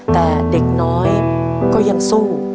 แต่เด็กน้อยก็ยังสู้